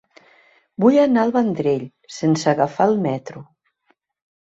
Vull anar al Vendrell sense agafar el metro.